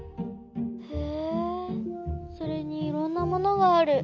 へえそれにいろんなものがある。